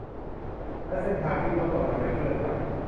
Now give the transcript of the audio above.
และเส้นทางที่โลกกำลังจะเคลื่อนไป